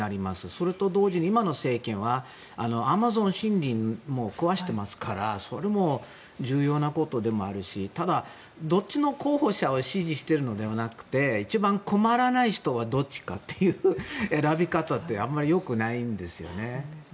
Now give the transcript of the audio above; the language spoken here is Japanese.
それと同時に今の政権はアマゾン森林も壊してますからそれも重要なことでもあるしただ、どっちの候補者を支持しているのではなくて一番困らない人はどっちかという選び方ってあまりよくないんですよね。